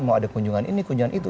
mau ada kunjungan ini kunjungan itu